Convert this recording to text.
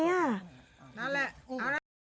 เอาเลยเอาเลย